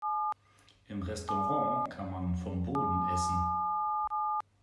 Im Restaurant kann man vom Boden essen.